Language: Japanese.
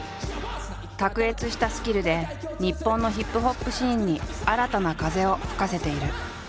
卓越したスキルで日本のＨＩＰＨＯＰシーンに新たな風を吹かせている。